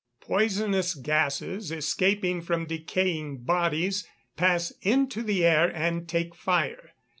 Poisonous gases, escaping from decaying bodies, pass into the air and take fire.